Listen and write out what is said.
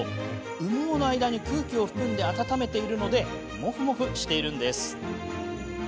羽毛の間に空気を含んで温めているのでモフモフしているんです。